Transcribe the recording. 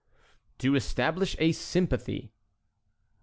"To establish a sympathy."